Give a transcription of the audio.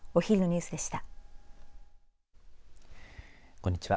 こんにちは。